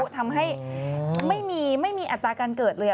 ทำให้ไม่มีอัตราการเกิดเลย